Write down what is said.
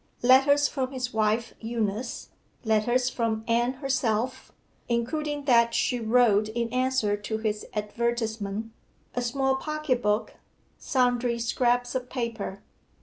Letters from his wife Eunice. Letters from Anne herself, including that she wrote in answer to his advertisement. A small pocket book. Sundry scraps of paper.